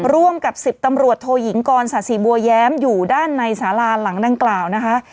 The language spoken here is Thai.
ร่วมกับ๑๐ตำรวจโทยิงกรศาสีบัวแย้มอยู่ด้านในสาราหลังดังกล่าวนะคะ